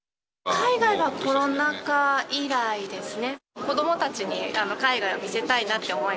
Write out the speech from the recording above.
海外はコロナ禍以来ですね。